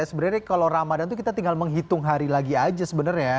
sebenarnya kalau ramadan itu kita tinggal menghitung hari lagi aja sebenarnya ya